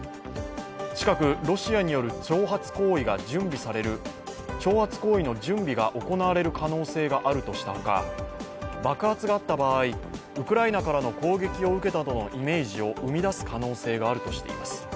近くロシアによる挑発行為の準備が行われる可能性があるとしたほか、爆発があった場合ウクライナからの攻撃を受けたとのイメージを生み出す可能性があるとしています。